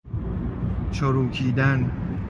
چروکیدن